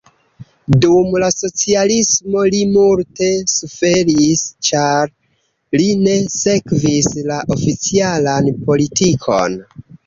Dum la socialismo li multe suferis, ĉar li ne sekvis la oficialan politikon.